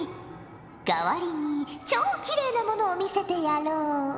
かわりに超きれいなものを見せてやろう。